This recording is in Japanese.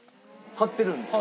貼ってるんですか？